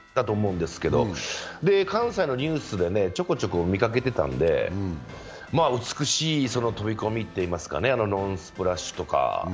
関西のニュースでちょこちょこ見かけてたので美しい飛び込みといいますか、ノンスプラッシュとか。